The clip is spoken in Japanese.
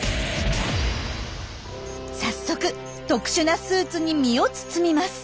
早速特殊なスーツに身を包みます。